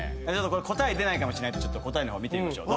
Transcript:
答え出ないかもしれないんで答えの方見てみましょう。